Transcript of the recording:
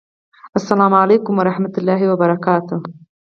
السلام علیکم ورحمة الله وبرکاته!